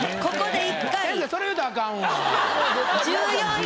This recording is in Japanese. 先生それ言うたらアカンわ。